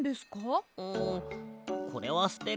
んこれはすてる。